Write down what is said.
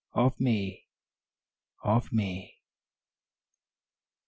of me! of me!